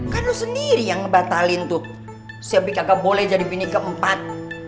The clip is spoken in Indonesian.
kan lo sendiri yang ngebatalin tuh si abi kagak boleh jadi pini keempat